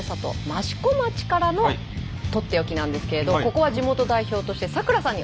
益子町からのとっておきなんですけれどここは地元代表として咲楽さんにお願いします。